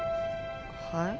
はい？